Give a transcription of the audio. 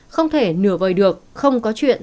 không thể nửa vơi được không có chuyện